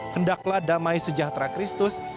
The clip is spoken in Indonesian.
hendaklah damai sejahtera kristus